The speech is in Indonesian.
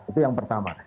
itu yang pertama